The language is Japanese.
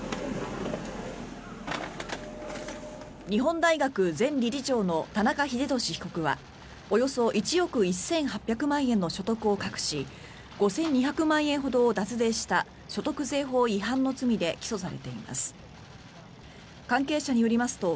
日本大学前理事長の田中英寿被告はおよそ１億１８００万円の所得を隠し５２００万円ほどを脱税した所得税法違反の罪で起訴されています。